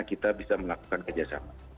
kita bisa melakukan kerjasama